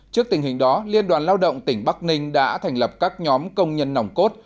trước tình hình đó liên đoàn lao động tỉnh bắc ninh đã thành lập các nhóm công nhân nòng cốt